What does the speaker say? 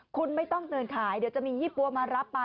คุณไม่ต้องเดินขายเดี๋ยวจะมียี่ปั๊วมารับมา